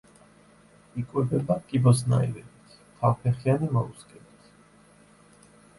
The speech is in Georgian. იკვებება კიბოსნაირებით, თავფეხიანი მოლუსკებით.